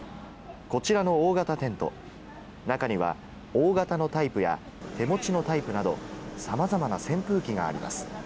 こちらの大型テント、中には大型のタイプや、手持ちのタイプなど、さまざまな扇風機があります。